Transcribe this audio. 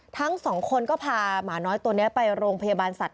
ทั้งสองคนก็พาหมาน้อยตัวนี้ไปโรงพยาบาลสัตว